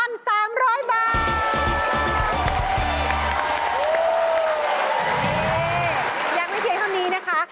ยังไม่เพียงเท่านี้นะคะ